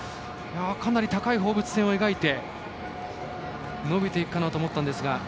かなり高い放物線を描いて伸びていくかなと思ったんですが。